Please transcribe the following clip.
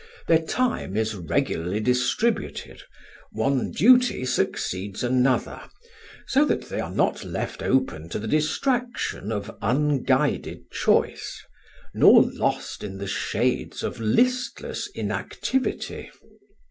Their time is regularly distributed; one duty succeeds another, so that they are not left open to the distraction of unguided choice, nor lost in the shades of listless inactivity.